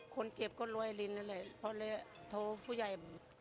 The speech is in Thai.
คนเจ็บก็รวยลินอะไรพอเลยโทษผู้ใหญ่